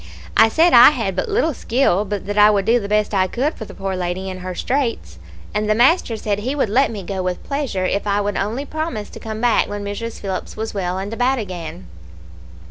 I said I had but little skill, but that I would do the best I could for the poor lady in her straits, and the master said he would let me go with pleasure if I would only promise to come back when Mrs. Phillips was well and about again.